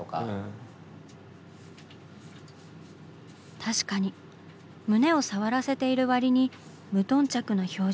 確かに胸を触らせているわりに無頓着な表情。